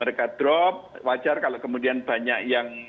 mereka drop wajar kalau kemudian banyak yang